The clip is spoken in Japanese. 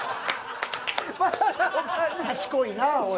賢いなぁおい。